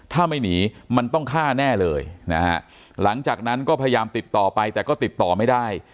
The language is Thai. ถ้าไม่หนีมันต้องฆ่าแน่เลยนะฮะหลังจากนั้นก็พยายามติดต่อไปแต่ก็ติดต่อไม่ได้